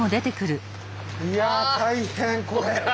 いやあ大変これ！